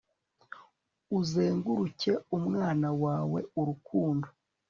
Uzenguruke umwana wawe urukundo